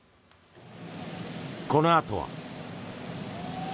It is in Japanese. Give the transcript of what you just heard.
このあとは。